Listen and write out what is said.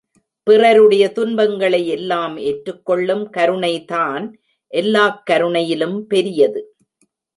பிறருடைய துன்பங்களை எல்லாம் ஏற்றுக்கொள்ளும் கருணைதான் எல்லாக் கருணையிலும் பெரியது.